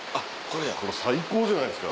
最高じゃないですか。